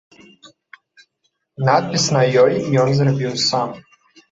Надпіс на ёй ён зрабіў сам.